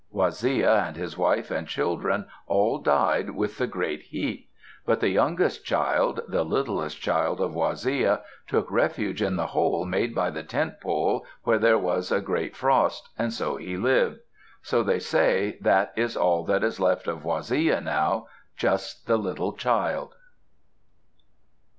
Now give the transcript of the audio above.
Waziya and his wife and children all died with the great heat. But the youngest child, the littlest child of Waziya, took refuge in the hole made by the tent pole, where there was a frost, and so he lived. So they say that is all that is left of Waziya now, just the littlest child.